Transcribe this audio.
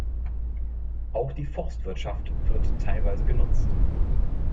Auch die Forstwirtschaft wird teilweise genutzt.